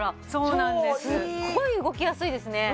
すっごい動きやすいですね